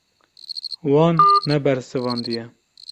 Wan nebersivandiye.